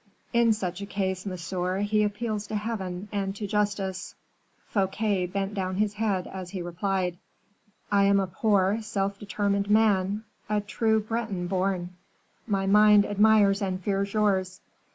In such a case, monsieur, he appeals to Heaven and to justice." Fouquet bent down his head, as he replied, "I am a poor, self determined man, a true Breton born; my mind admires and fears yours.